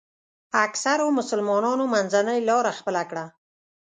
اکثرو مسلمانانو منځنۍ لاره خپله کړه.